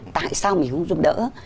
tại sao mình không giúp đỡ